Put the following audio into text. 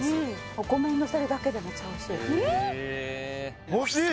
お米にのせるだけでめっちゃおいしいほしい